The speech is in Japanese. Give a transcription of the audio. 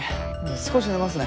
少し寝ますね。